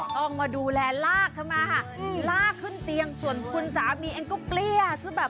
ต้องมาดูแลลากลากขึ้นเตียงส่วนคุณสามีเองก็เกลี้ยซะแบบ